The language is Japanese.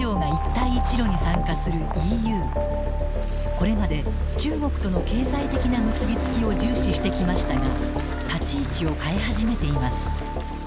これまで中国との経済的な結び付きを重視してきましたが立ち位置を変え始めています。